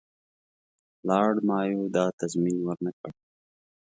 لارډ مایو دا تضمین ورنه کړ.